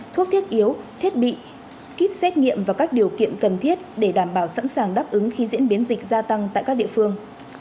thuốc thiết yếu thiết bị kit xét nghiệm và các điều kiện cần thiết để đảm bảo sẵn sàng đáp ứng khi diễn biến dịch gia tăng tại các địa phương